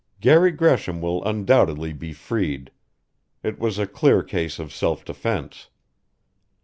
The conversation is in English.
"Garry Gresham will undoubtedly be freed; it was a clear case of self defense.